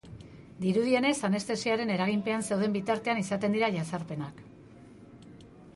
Dirudienez, anestesiaren eraginpean zeuden bitartean izaten ziren jazarpenak.